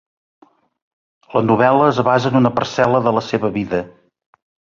La novel·la es basa en una parcel·la de la seva vida.